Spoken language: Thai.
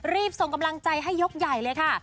รีบส่งกำลังใจให้ยกใหญ่เลยค่ะ